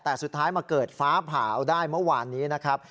แต่สุดท้ายมาเกิดฟ้าผ่าเอาได้เมื่อวานนี้นะครับ